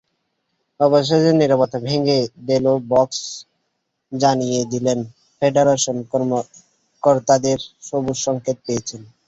অবশেষে নীরবতা ভেঙে দেল বস্ক জানিয়ে দিলেন, ফেডারেশন কর্তাদের সবুজসংকেত পেয়েছেন।